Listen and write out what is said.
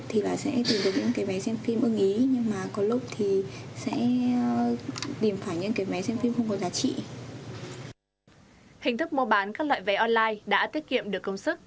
hình thức mua bán các loại vé online đã tiết kiệm được công sức